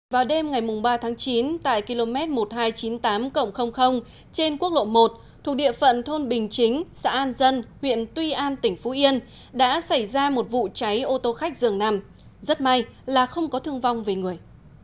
vào đêm ngày ba tháng chín tại km một nghìn hai trăm chín mươi tám trên quốc lộ một thuộc địa phận thôn bình chính xã an dân huyện tuy an tỉnh phú yên đã xảy ra một vụ cháy ô tô khách dường nằm rất may là không có thương vong về người